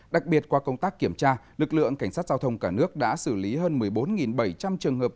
đặc biệt qua công tác kiểm tra lực lượng cảnh sát giao thông cả nước đã xử lý hơn một mươi bốn bảy trăm linh trường hợp